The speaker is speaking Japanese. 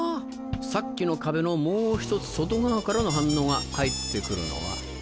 さっきの壁のもう一つ外側からの反応が返って来るのは。